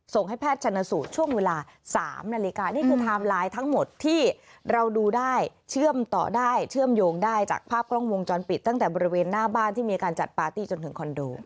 ให้แพทย์ชนสูตรช่วงเวลา๓นาฬิกานี่คือไทม์ไลน์ทั้งหมดที่เราดูได้เชื่อมต่อได้เชื่อมโยงได้จากภาพกล้องวงจรปิดตั้งแต่บริเวณหน้าบ้านที่มีการจัดปาร์ตี้จนถึงคอนโด